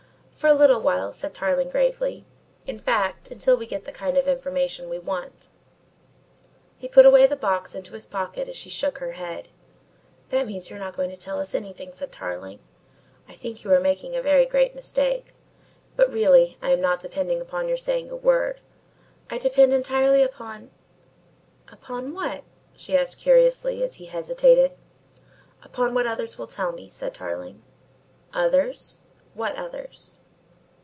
"For a little while," said Tarling gravely. "In fact, until we get the kind of information we want." He put away the box into his pocket as she shook her head. "That means you're not going to tell us anything," said Tarling. "I think you are making a very great mistake, but really I am not depending upon your saying a word. I depend entirely upon " "Upon what?" she asked curiously as he hesitated. "Upon what others will tell me," said Tarling "Others? What others?"